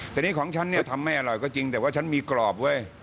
แต่นี่ของฉันทำไม่อร่อยก็จริงแต่ว่าฉันมีกรอบ